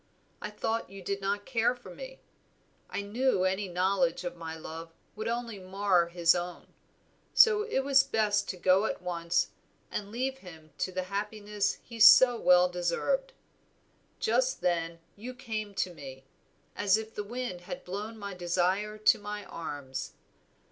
I thought you did not care for me; I knew any knowledge of my love would only mar his own; so it was best to go at once and leave him to the happiness he so well deserved. Just then you came to me, as if the wind had blown my desire to my arms.